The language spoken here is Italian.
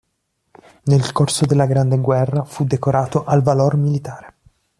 Nel corso della Grande Guerra fu decorato al valor militare.